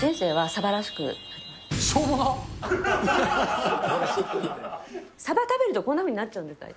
サバ食べると、こんなふうになっちゃうみたい。